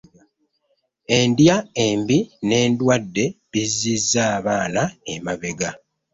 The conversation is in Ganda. Endya embi n'endwadde bizzizza abaana emabega